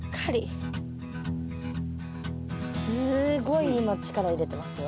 すごい今力入れてますよ。